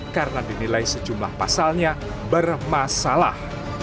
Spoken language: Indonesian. karena dinilai sejumlah pasalnya bermasalah